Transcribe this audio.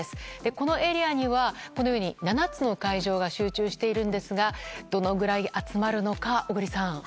このエリアにはこのように７つの会場が集中しているんですがどのぐらい集まるのか小栗さん。